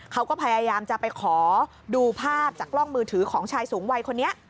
เขาก็พยายามจะไปขอดูภาพจากกล้องมือถือของชายสูงวัยคนนี้